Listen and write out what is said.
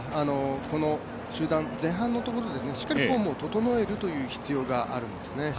集団、前半のところでしっかりフォームを整える必要があるんですね。